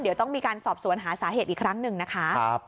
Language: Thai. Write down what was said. เดี๋ยวต้องมีการสอบสวนหาสาเหตุอีกครั้งหนึ่งนะคะ